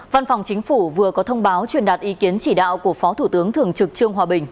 văn phòng chính phủ vừa có thông báo truyền đạt ý kiến chỉ đạo của phó thủ tướng thường trực trương hòa bình